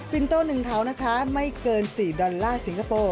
อินโต้๑เขานะคะไม่เกิน๔ดอลลาร์สิงคโปร์